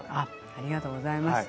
ありがとうございます。